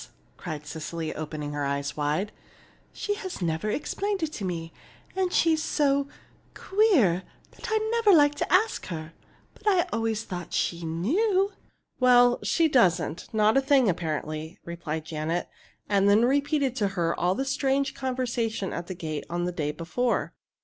cried Cecily, opening her eyes wide. "She has never explained it to me, and she's so queer that I never liked to ask her. But I always thought she knew!" "Well, she doesn't not a thing, apparently," replied Janet, and then repeated to her all the strange conversation at the gate on the day before.